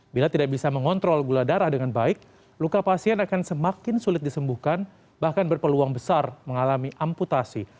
bila tidak bisa mengontrol gula darah dengan baik luka pasien akan semakin sulit disembuhkan bahkan berpeluang besar mengalami amputasi